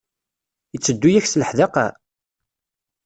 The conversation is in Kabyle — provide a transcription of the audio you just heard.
Yetteddu-ak s leḥdaqa?